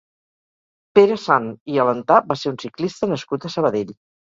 Pere Sant i Alentà va ser un ciclista nascut a Sabadell.